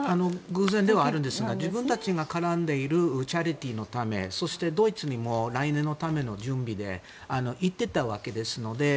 偶然ですが自分たちが絡むチャリティーのためそしてドイツにも来年のため行っていたわけですので。